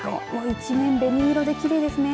一面紅色できれいですね。